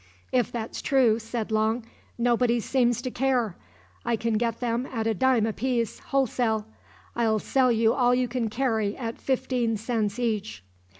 "If that's true," said Long, "nobody seems to care. I can get them at a dime apiece, wholesale. I'll sell you all you can carry at fifteen cents each."